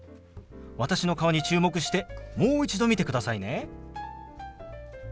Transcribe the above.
私の顔に注目してもう一度見てくださいね。